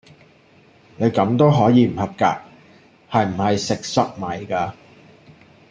你咁都可以唔合格，係唔係食塞米架！